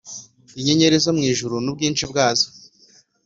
Inyenyeri zo ku ijuru n’ubwinshi bwazo,